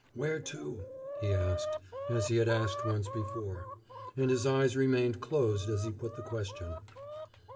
"Where to?" he asked, as he had asked once before. And his eyes remained closed as he put the question.